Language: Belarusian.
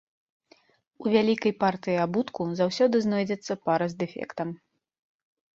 У вялікай партыі абутку заўсёды знойдзецца пара з дэфектам.